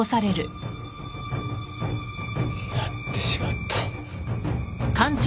やってしまった。